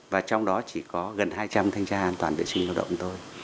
và trong đó chỉ có gần hai trăm linh thanh tra an toàn vệ sinh lao động thôi